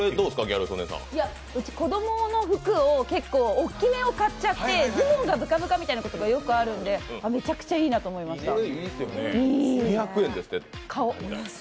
うち、子供の服を結構大きめを買っちゃってズボンがぶかぶかみたいなことがよくあるのでめちゃくちゃいいなと思いました。